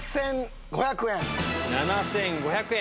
７５００円。